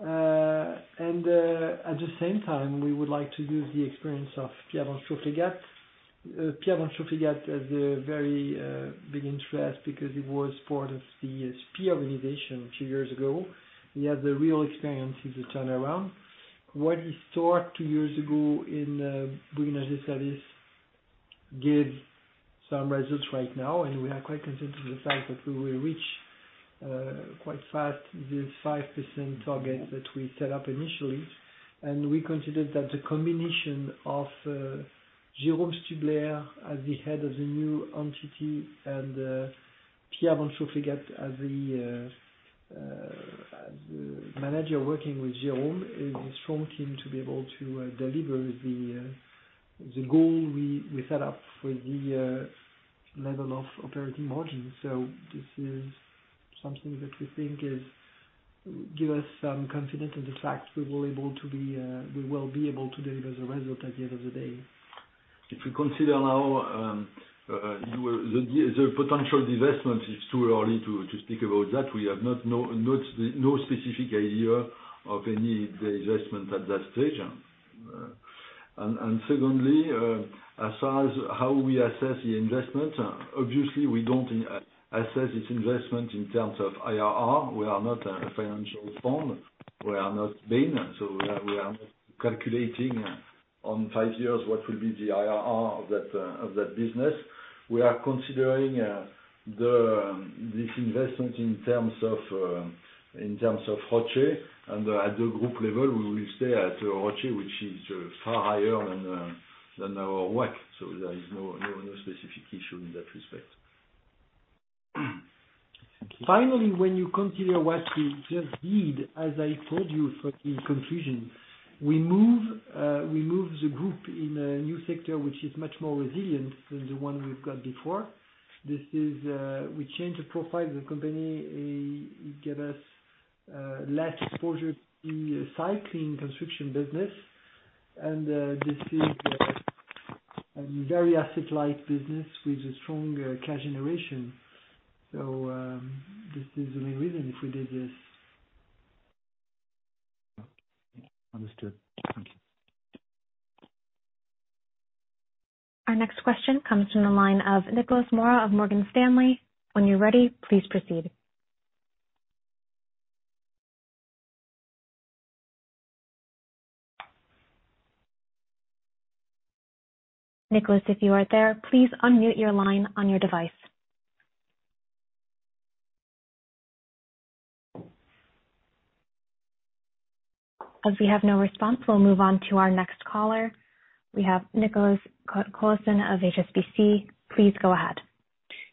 At the same time, we would like to use the experience of Pierre Vanstoflegatte. Pierre Vanstoflegatte has a very big interest because he was part of the SPIE organization a few years ago. He has the real experience in the turnaround. What he started two years ago in Bouygues Energies & Services gave some results right now, and we are quite confident in the fact that we will reach quite fast this 5% target that we set up initially. We consider that the combination of Jérôme Stubler as the head of the new entity and Pierre Vanstoflegatte as the manager working with Jérôme is a strong team to be able to deliver the goal we set up for the level of operating margin. This is something that we think gives us some confidence in the fact that we will be able to deliver the result at the end of the day. If you consider now, the potential divestment is too early to speak about that. We have no specific idea of any divestment at that stage. Secondly, as far as how we assess the investment, obviously we don't assess this investment in terms of IRR. We are not a financial firm. We are not a bank. So we are not calculating on five years what will be the IRR of that business. We are considering this investment in terms of ROCE and at the group level we will stay at ROCE which is far higher than our WACC. So there is no specific issue in that respect. Thank you. Finally, when you consider what we just did, as I told you for the conclusion, we move the group in a new sector which is much more resilient than the one we've got before. We change the profile of the company. It give us less exposure to the cyclical construction business. This is a very asset-like business with a strong cash generation. This is the main reason if we did this. Understood. Thank you. Our next question comes from the line of Nicolas Mora of Morgan Stanley. When you're ready, please proceed. Nicolas, if you are there, please unmute your line on your device. As we have no response, we'll move on to our next caller. We have Nicolas Cote-Colisson of HSBC. Please go ahead.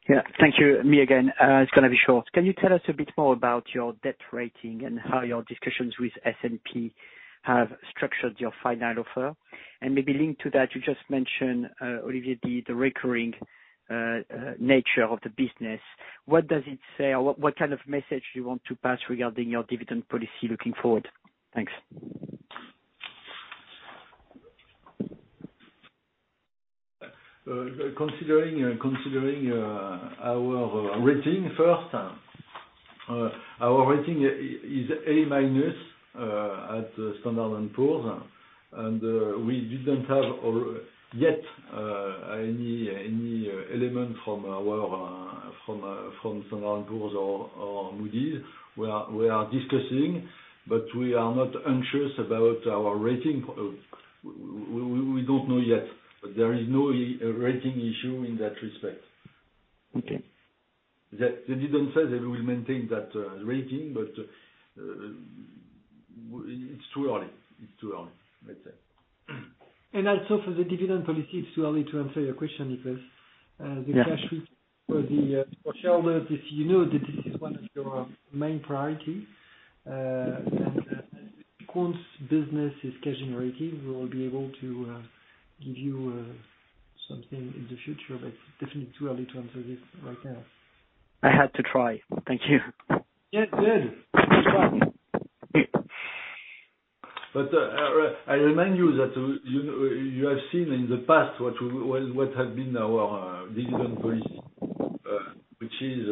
Yeah. Thank you. Me again. It's gonna be short. Can you tell us a bit more about your debt rating and how your discussions with S&P have structured your final offer? Maybe linked to that, you just mentioned, Olivier, the recurring nature of the business. What does it say or what kind of message you want to pass regarding your dividend policy looking forward? Thanks. Considering our rating first. Our rating is A- at Standard and Poor's. We didn't have it yet any element from Standard and Poor's or Moody's. We are discussing, but we are not anxious about our rating. We don't know yet, but there is no rating issue in that respect. Okay. That they didn't say they will maintain that rating, but it's too early, let's say. For the dividend policy, it's too early to answer your question, because Yeah. the cash for shareholders, if you know that this is one of your main priority, and once business is cash generating, we will be able to give you something in the future, but definitely too early to answer this right now. I had to try. Thank you. Yes. Good. Good luck. I remind you that you have seen in the past what have been our dividend policy, which is,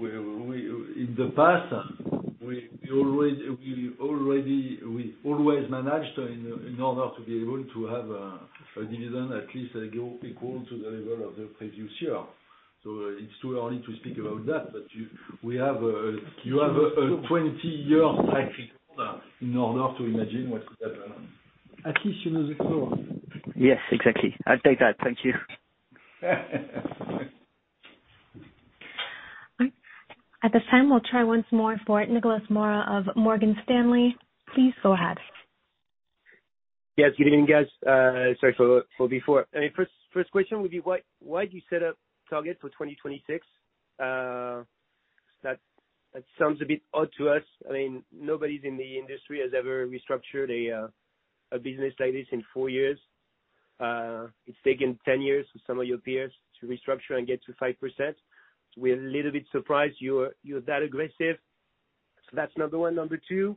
in the past we always managed in order to be able to have a dividend at least equal to the level of the previous year. It's too early to speak about that. You have a 20-year track record in order to imagine what could happen. At least you know the score. Yes, exactly. I'll take that. Thank you. At this time, we'll try once more for Nicolas Mora of Morgan Stanley. Please go ahead. Yes. Good evening, guys. Sorry for before. I mean, first question would be why do you set up targets for 2026? That sounds a bit odd to us. I mean, nobody's in the industry has ever restructured a business like this in four years. It's taken 10 years for some of your peers to restructure and get to 5%. We're a little bit surprised you're that aggressive. So that's number one. Number two,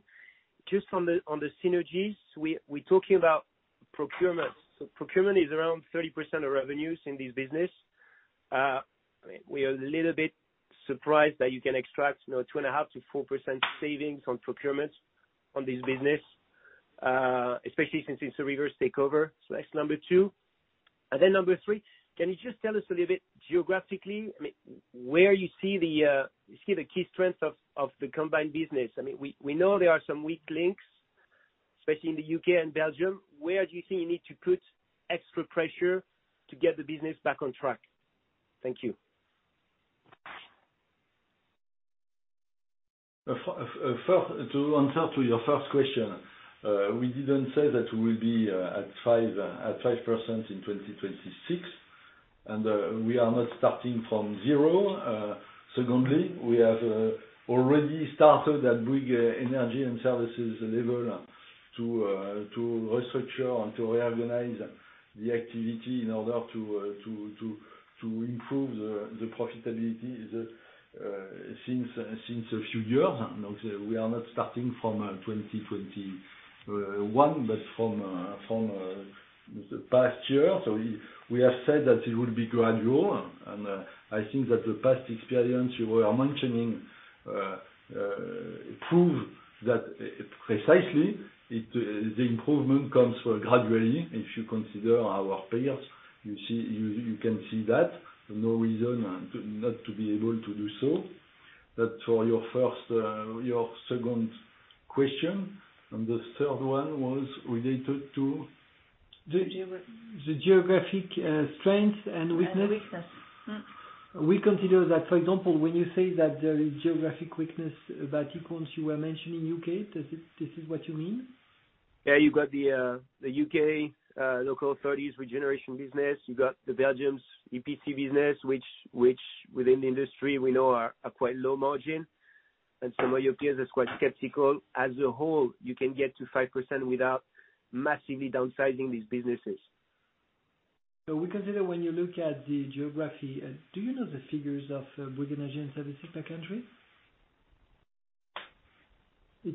just on the synergies, we're talking about procurement. So procurement is around 30% of revenues in this business. We are a little bit surprised that you can extract, you know, 2.5% to 4% savings on procurement on this business, especially since it's a reverse takeover. So that's number two. Number three, can you just tell us a little bit geographically, I mean, where you see the key strengths of the combined business? I mean, we know there are some weak links, especially in the U.K. and Belgium. Where do you think you need to put extra pressure to get the business back on track? Thank you. First to answer your first question, we didn't say that we will be at 5% in 2026 and we are not starting from zero. Secondly, we have already started at Bouygues Energies & Services level to restructure and to reorganize the activity in order to improve the profitability since a few years. We are not starting from 2021, but from the past year. We have said that it would be gradual. I think that the past experience you were mentioning proves that precisely it, the improvement comes gradually. If you consider our peers, you see, you can see that. No reason not to be able to do so. That's for your first, your second question. The third one was related to. The geographic strength and weakness. Weakness. We consider that, for example, when you say that there is geographic weakness about Equans, you were mentioning U.K. Is this what you mean? Yeah. You've got the U.K. local authorities regeneration business. You got the Belgian EPC business, which within the industry we know are quite low margin. Some of your peers are quite skeptical. As a whole, you can get to 5% without massively downsizing these businesses. We consider when you look at the geography, do you know the figures of Bouygues Energies & Services per country?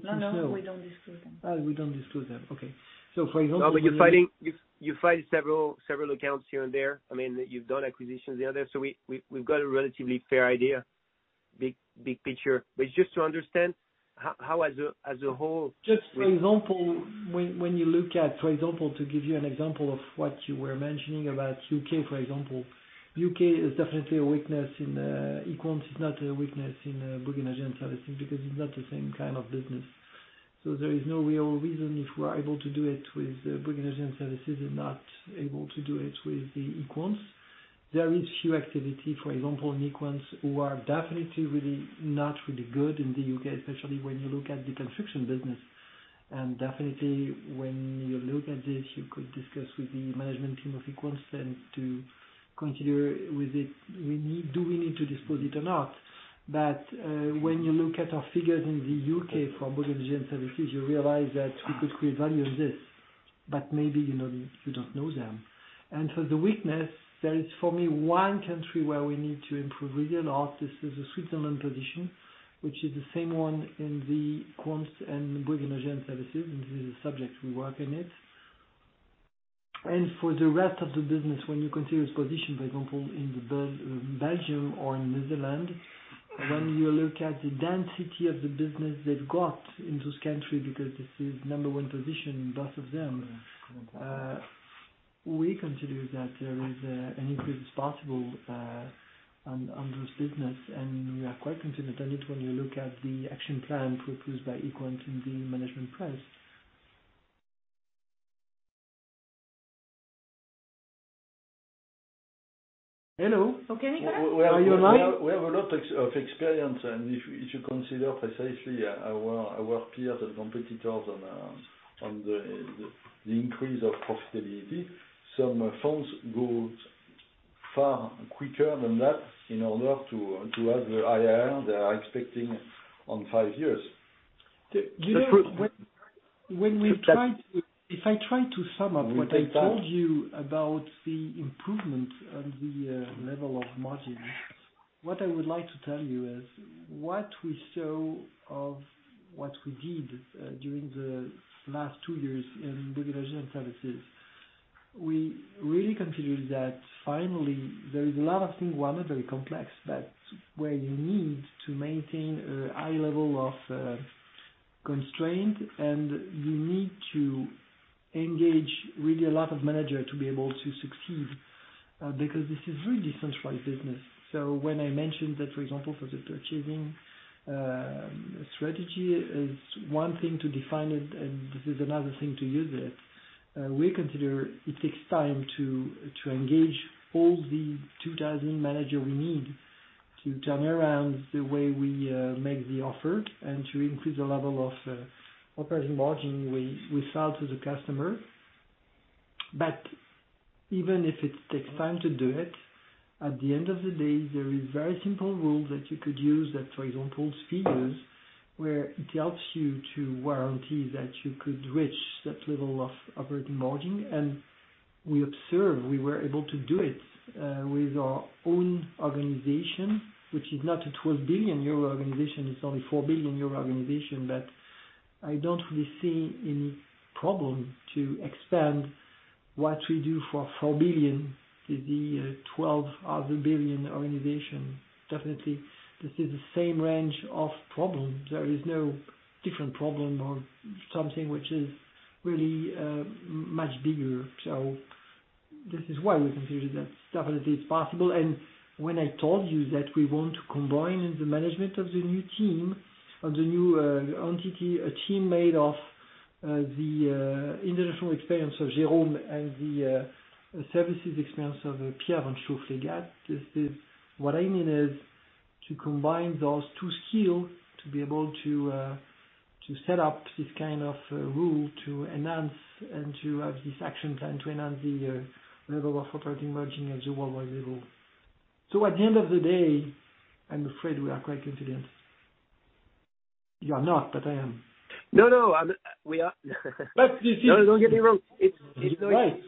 No, no, we don't disclose them. Oh, we don't disclose them. Okay. For example. No, but you fight several accounts here and there. I mean, you've done acquisitions, the other. We've got a relatively fair idea, big picture. Just to understand how as a whole Just for example, when you look at, for example, to give you an example of what you were mentioning about U.K., for example. U.K. is definitely a weakness in Equans. It's not a weakness in Bouygues Energies & Services because it's not the same kind of business. So there is no real reason if we're able to do it with Bouygues Energies & Services and not able to do it with Equans. There is few activity, for example, in Equans who are definitely really, not really good in the U.K., especially when you look at the construction business. Definitely when you look at this, you could discuss with the management team of Equans and to consider with it, do we need to dispose it or not? When you look at our figures in the U.K. for Bouygues Energies & Services, you realize that we could create value in this. Maybe, you know, you don't know them. For the weakness, there is for me one country where we need to improve really a lot. This is the Swiss position, which is the same one in the Equans and Bouygues Energies & Services, and this is a subject we're working on. For the rest of the business, when you consider its position, for example, in Belgium or in the Netherlands, when you look at the density of the business they've got in this country, because this is number one position in both of them, we consider that there is an increase possible on this business. We are quite confident on it when you look at the action plan proposed by Equans in the management presentation. Hello. Okay. We have a lot of experience, and if you consider precisely our peers and competitors on the increase of profitability. Some funds go far quicker than that in order to have the IRR they are expecting in five years. The, you know, The first. If I try to sum up. What I told you about the improvement on the level of margins, what I would like to tell you is what we saw of what we did during the last two years in Digital Engineering & Services. We really consider that finally there is a lot of things, one, very complex, but where you need to maintain a high level of constraint, and you need to engage really a lot of manager to be able to succeed because this is really centralized business. When I mentioned that, for example, for the achieving strategy is one thing to define it, and this is another thing to use it. We consider it takes time to engage all the 2,000 managers we need to turn around the way we make the offer and to increase the level of operating margin we sell to the customer. Even if it takes time to do it, at the end of the day, there are very simple rules that you could use that, for example, SFR, where it helps you to warrant that you could reach that level of operating margin. We observe we were able to do it with our own organization, which is not a 12 billion euro organization, it's only a 4 billion euro organization. I don't really see any problem to expand what we do for 4 billion to the twelve other billion organization. Definitely, this is the same range of problems. There is no different problem or something which is really much bigger. This is why we consider that stability is possible. When I told you that we want to combine in the management of the new team of the new entity a team made of the international experience of Jérôme and the services experience of Pierre Vanstoflegatte. This is what I mean is to combine those two skills to be able to to set up this kind of rule to enhance and to have this action plan to enhance the level of operating margin at the worldwide level. At the end of the day, I'm afraid we are quite confident. You are not, but I am. No, we are. This is No, don't get me wrong. It's Right.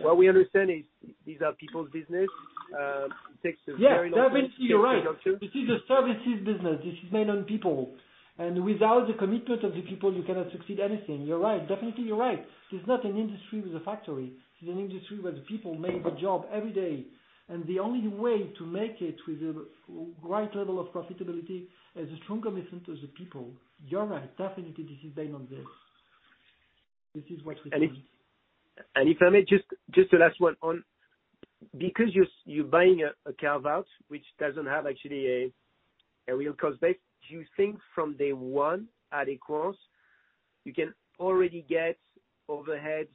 What we understand is these are people's business. It takes a very long time- Yeah. Definitely you're right. This is a services business. This is made on people. Without the commitment of the people, you cannot succeed anything. You're right. Definitely, you're right. It's not an industry with a factory. It's an industry where the people make the job every day. The only way to make it with the right level of profitability is a strong commitment to the people. You're right. Definitely, this is based on this. This is what we think. If I may, just the last one on because you're buying a carve-out which doesn't have actually a real cost base, do you think from day one at Equans, you can already get overheads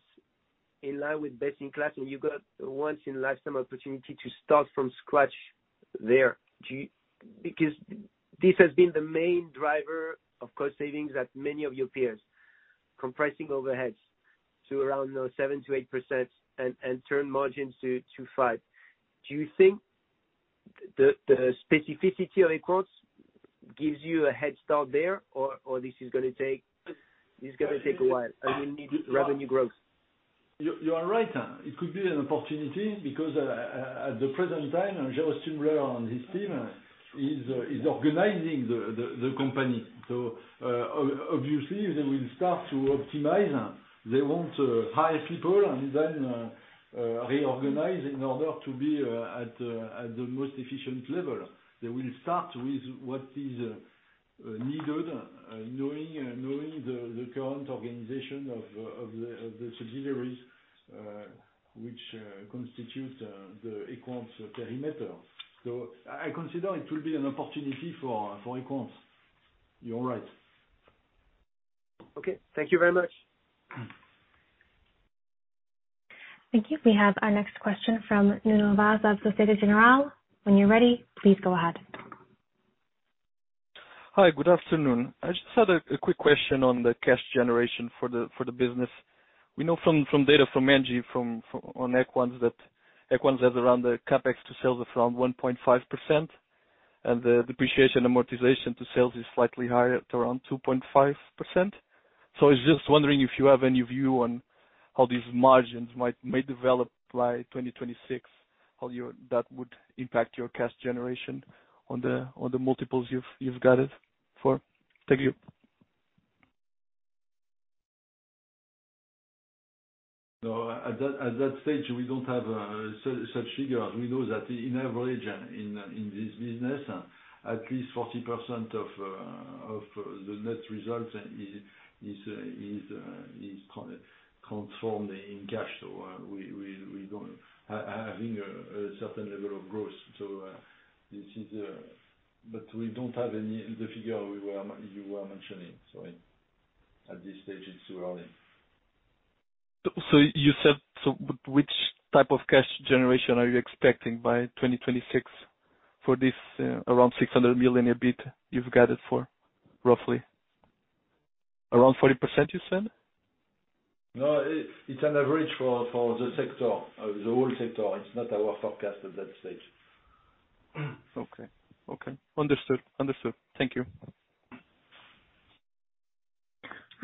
in line with best-in-class, and you've got a once-in-a-lifetime opportunity to start from scratch there? Do you think the specificity of Equans gives you a head start there, or this is gonna take a while, and you need revenue growth? Because this has been the main driver of cost savings at many of your peers, compressing overheads to around 7% to 8% and turn margins to 5%. You are right. It could be an opportunity because at the present time, Jérôme Stubler and his team is organizing the company. Obviously, they will start to optimize. They want to hire people and then reorganize in order to be at the most efficient level. They will start with what is needed, knowing the current organization of the subsidiaries, which constitutes the Equans perimeter. I consider it will be an opportunity for Equans. You're right. Okay. Thank you very much. Thank you. We have our next question fromLuiz Vaz of Société Générale. When you're ready, please go ahead. Hi, good afternoon. I just had a quick question on the cash generation for the business. We know from data from Engie on Equans that Equans has around the CapEx to sales of around 1.5%, and the depreciation amortization to sales is slightly higher at around 2.5%. I was just wondering if you have any view on how these margins may develop by 2026, that would impact your cash generation on the multiples you've guided? Thank you. No, at that stage, we don't have such figures. We know that on average, in this business, at least 40% of the net results is converted into cash. We don't have a certain level of growth. We don't have the figure you were mentioning. At this stage, it's too early. Which type of cash generation are you expecting by 2026 for this, around 600 million a bit you've guided for, roughly? Around 40%, you said? No, it's an average for the sector, the whole sector. It's not our forecast at that stage. Okay. Understood. Thank you.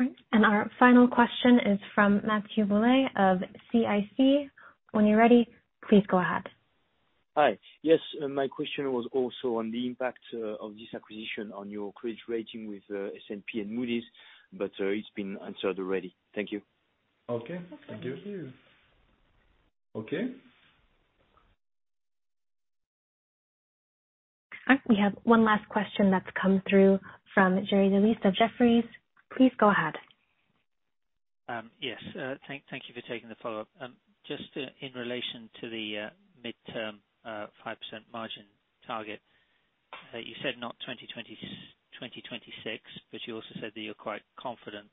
All right. Our final question is from Matthieu Boulay of CIC. When you're ready, please go ahead. Hi. Yes, my question was also on the impact of this acquisition on your credit rating with S&P and Moody's, but it's been answered already. Thank you. Okay. Thank you. Okay. Thank you. Okay. All right. We have one last question that's come through from Jerry Dellis of Jefferies. Please go ahead. Yes, thank you for taking the follow-up. Just in relation to the midterm 5% margin target, you said not 2026, but you also said that you're quite confident.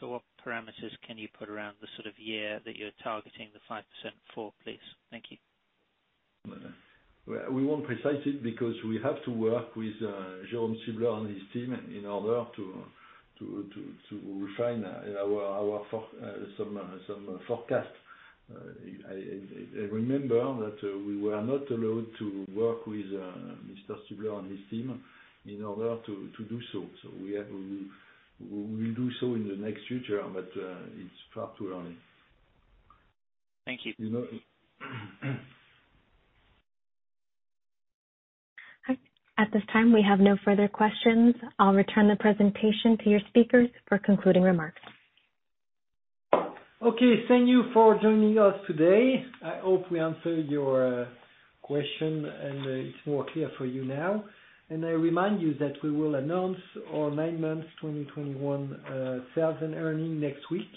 What parameters can you put around the sort of year that you're targeting the 5% for, please? Thank you. Well, we won't price it because we have to work with Jérôme Stubler and his team in order to refine our forecast. I remember that we were not allowed to work with Mr. Stubler and his team in order to do so. We'll do so in the near future, but it's far too early. Thank you. You know. All right. At this time, we have no further questions. I'll return the presentation to your speakers for concluding remarks. Okay. Thank you for joining us today. I hope we answered your question, and it's more clear for you now. I remind you that we will announce our nine months 2021 sales and earnings next week,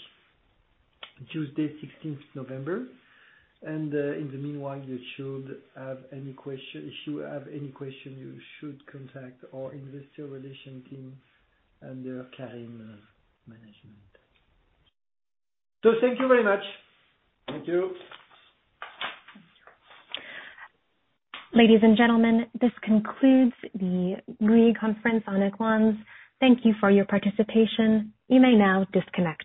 Tuesday, 16th November. In the meanwhile, if you have any question, you should contact our Investor Relations team under Karine Adams. Thank you very much. Thank you. Ladies and gentlemen, this concludes the Bouygues conference on Equans. Thank you for your participation. You may now disconnect.